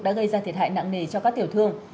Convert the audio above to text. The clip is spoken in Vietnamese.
đã gây ra thiệt hại nặng nề cho các tiểu thương